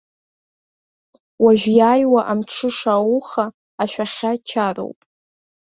Уажә иааиуа амҽыша ауха, ашәахьа чароуп.